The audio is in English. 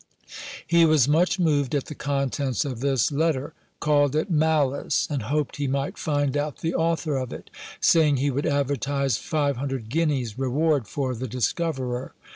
He was much moved at the contents of this letter; called it malice, and hoped he might find out the author of it, saying, he would advertise 500 guineas reward for the discoverer.